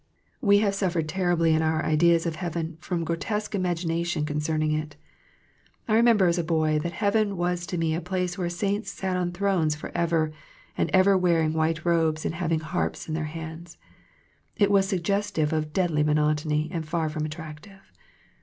We have suffered terribly in our ideas of heaven from grotesque imagination concerning it. I remember as boy that heaven was to me a place where the saints sat on thrones forever and ever wearing white robes and having harps in their hands. It was suggestive of deadly monotony and far from attractive.